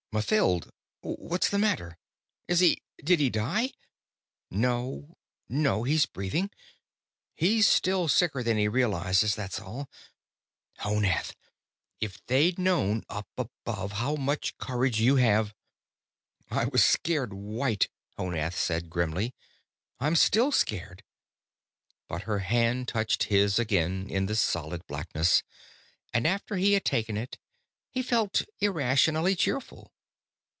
"Mathild! What's the matter? Is he did he die?" "No ... no. He's breathing. He's still sicker than he realizes, that's all.... Honath if they'd known, up above, how much courage you have " "I was scared white," Honath said grimly. "I'm still scared." But her hand touched his again in the solid blackness, and after he had taken it, he felt irrationally cheerful.